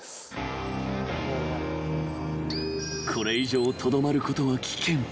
［これ以上とどまることは危険］